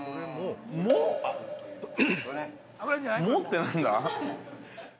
「も」って何だ？